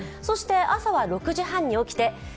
朝は６時半に起きます。